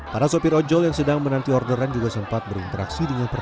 para sopir ojol yang sedang menanti orderan juga sempat berinteraksi dengan perusahaan